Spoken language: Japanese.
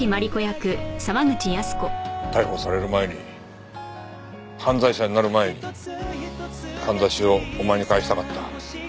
逮捕される前に犯罪者になる前に簪をお前に返したかった。